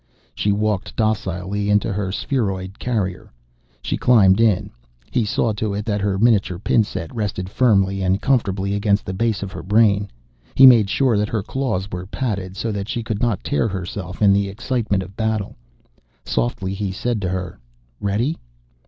She walked docilely into her spheroid carrier. She climbed in. He saw to it that her miniature pin set rested firmly and comfortably against the base of her brain. He made sure that her claws were padded so that she could not tear herself in the excitement of battle. Softly he said to her, "Ready?"